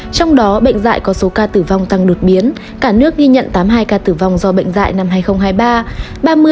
trong đó bệnh dạy có số ca tử vong tăng đột biến cả nước ghi nhận tám mươi hai ca tử vong do bệnh dạy năm hai nghìn hai mươi ba